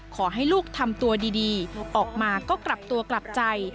ขอให้ลูกทำตัวดีออกมาก็กลับตัวกลับใจ